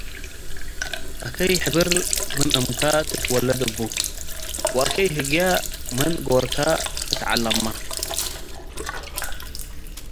አከይ-ሕብር ምን እምከ ትትወለድ እቡ፣ ወአከይ ህግየ ምን ጎርከ ትትዐለመ።